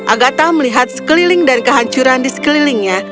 agatha melihat sekeliling dan kehancuran di sekelilingnya